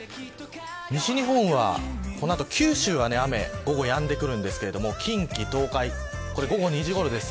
西日本は、この後九州は雨午後やんでくるんですけれども近畿、東海午後２時ごろです。